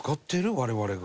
我々が？